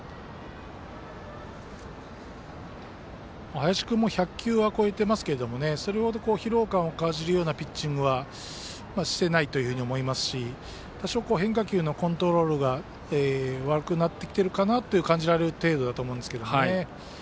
林君も１００球を超えていますがそれ程、疲労感を感じるようなピッチングはしていないと思いますし多少、変化球のコントロールが悪くなってきているかなと感じられる程度だと思います。